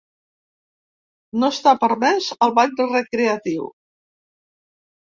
No està permès el "bany recreatiu".